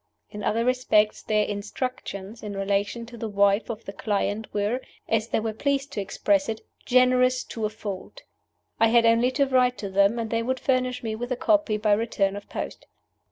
In other respects their "instructions" in relation to the wife of their client were (as they were pleased to express it) "generous to a fault." I had only to write to them, and they would furnish me with a copy by return of post.